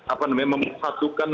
apa namanya memperhatukan